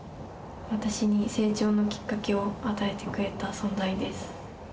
私に成長のキッカケを与えてくれた存在です